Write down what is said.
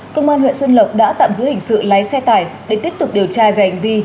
công an huyện xuân lộc đã tạm giữ hình sự lái xe tải để tiếp tục điều tra về hành vi